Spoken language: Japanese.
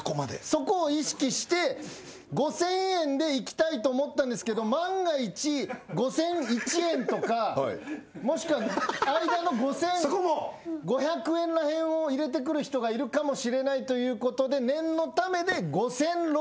そこを意識して５，０００円でいきたいと思ったんですけど万が一５，００１円とかもしくは間の５，５００円らへんを入れてくる人がいるかもしれないということで念のためで。